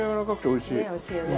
おいしいよね。